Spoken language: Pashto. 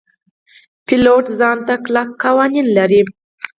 پیلوټ ځان ته کلک قوانین لري.